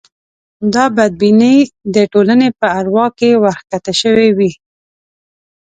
دا بدبینۍ د ټولنې په اروا کې ورکښته شوې وې.